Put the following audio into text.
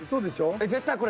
絶対これ。